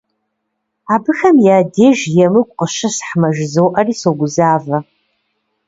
Абыхэм я деж емыкӀу къыщысхьмэ жызоӀэри согузавэ.